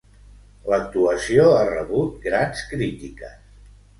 L'actuació ha rebut grans crítiques.